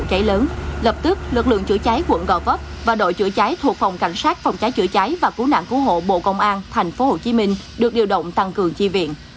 cháy lớn lập tức lực lượng chữa cháy quận gò vấp và đội chữa cháy thuộc phòng cảnh sát phòng cháy chữa cháy và cứu nạn cứu hộ bộ công an thành phố hồ chí minh được điều động tăng cường chi viện